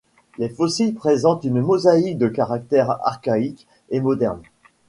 Les fossiles présentent une mosaïque de caractères archaïques et modernes.